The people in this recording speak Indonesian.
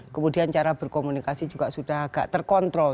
kemudian cara berkomunikasi juga sudah agak terkontrol